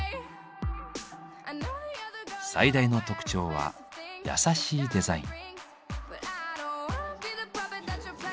最大の特徴は優しいデザイン。